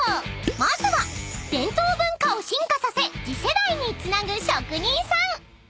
［まずは伝統文化を進化させ次世代につなぐ職人さん］